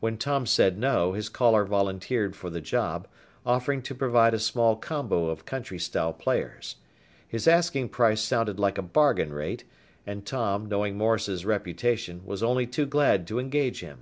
When Tom said No, his caller volunteered for the job, offering to provide a small combo of country style players. His asking price sounded like a bargain rate, and Tom, knowing Morris's reputation, was only too glad to engage him.